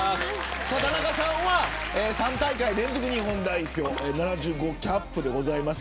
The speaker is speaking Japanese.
田中さんは３大会連続で日本代表７５キャップです。